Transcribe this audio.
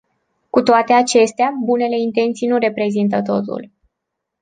Cu toate acestea, bunele intenții nu reprezintă totul.